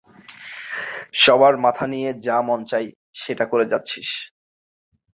সবার মাথা নিয়ে যা মন চায় সেটা করে যাচ্ছিস।